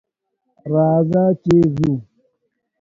راځه ! چې ځو.